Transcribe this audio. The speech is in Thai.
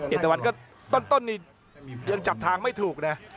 ตะวันก็ต้นนี่ยังจับทางไม่ถูกนะ